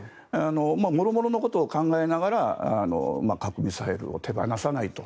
もろもろのことを考えながら核・ミサイルを手放さないと。